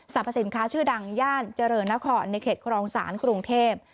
พสินค้าชื่อดังย่านเจริญนครในเขตครองศาลกรุงเทพ